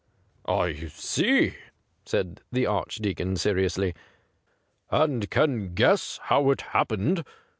' I see,' said the Archdeacon seriously, ' and can guess how it happened.